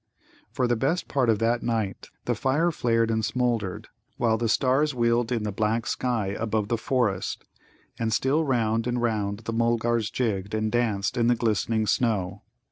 For the best part of that night the fire flared and smouldered, while the stars wheeled in the black sky above the forest; and still round and round the Mulgars jigged and danced in the glistening snow.